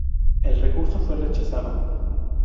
El recurso fue rechazado.